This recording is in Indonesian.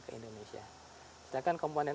ke indonesia sedangkan komponen